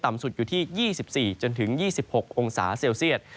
สุดอยู่ที่๒๔๒๖องศาเซลเซียต